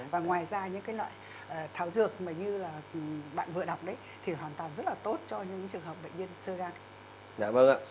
và ngoài ra những cái loại tháo dược mà như bạn vừa đọc đấy thì hoàn toàn rất là tốt cho những trường hợp bệnh nhân sơ gan